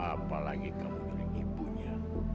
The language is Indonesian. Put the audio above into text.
apalagi kamu dengan ibunya